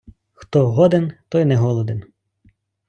Хто годен, той не голоден.